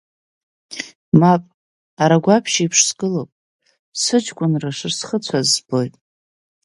Мап, арагәаԥшь еиԥш сгылоуп, сыҷкәынра шысхыцәаз збоит.